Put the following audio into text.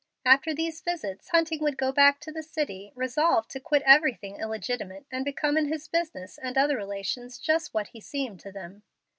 After these visits Hunting would go back to the city, resolved to quit everything illegitimate and become in his business and other relations just what he seemed to them.